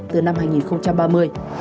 từ năm hai nghìn ba mươi